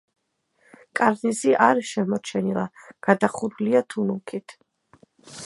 კარნიზი არ შემორჩენილა, გადახურულია თუნუქით.